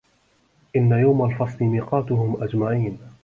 إِنَّ يَومَ الفَصلِ ميقاتُهُم أَجمَعينَ